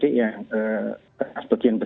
banyak yang saya sampaikan ke kawan juga